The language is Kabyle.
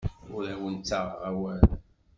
Ur awen-ttaɣeɣ awal.